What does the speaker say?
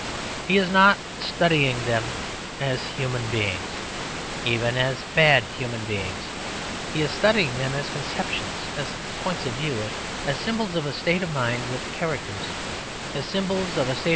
He is not studying them as human beings, even as bad human beings; he is studying them as conceptions, as points of view, as symbols of a state of mind with which he is in violent disagreement.